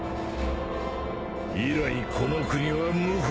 以来この国は無法の国。